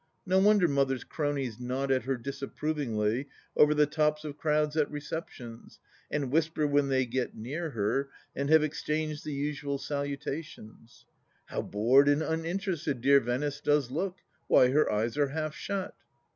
No wonder Mother's cronies nod at her disapprovingly over the tops of crowds at receptions, and whisper when they get near her, and have exchanged the usual salutations :" How bored and uninterested dear Venice does look I Why, her eyes are half shut